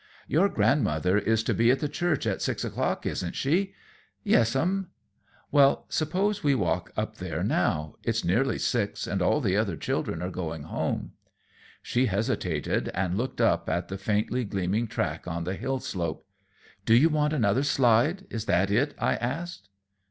"Your grandmother is to be at the church at six o'clock, isn't she?" "Yes, 'm." "Well, suppose we walk up there now. It's nearly six, and all the other children are going home." She hesitated, and looked up at the faintly gleaming track on the hill slope. "Do you want another slide? Is that it?" I asked.